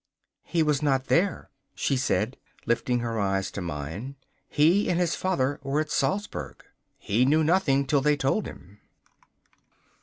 'He was not there,' she said, lifting her eyes to mine; 'he and his father were at Salzburg. He knew nothing till they told him.